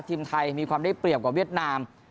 ทีมไทยมีความได้เปรียบกว่าเวียดนาม